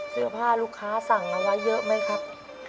เสื้อผ้าลูกค้าสั่งเอาไว้เยอะไหมครับ